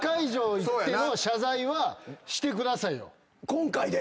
今回で。